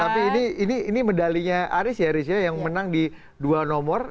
tapi ini medalinya aris ya aris ya yang menang di dua nomor